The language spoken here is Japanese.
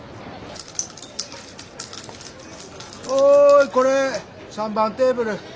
おいこれ３番テーブル。